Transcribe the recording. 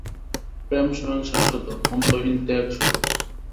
প্রেম স্বয়ং শাশ্বত, অন্তহীন ত্যাগ-স্বরূপ।